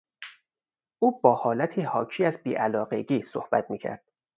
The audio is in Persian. او با حالتی حاکی از بیعلاقگی صحبت میکرد.